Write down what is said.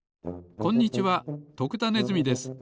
こんにちは徳田ネズミです。